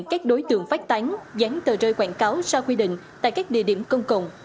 các đối tượng phát tán dán tờ rơi quảng cáo sai quy định tại các địa điểm công cộng